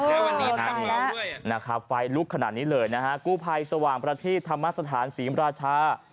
เออตายแล้วนะครับไฟลุกขนาดนี้เลยนะฮะกูภัยสว่างประทิตย์ธรรมสถานศรีมราชา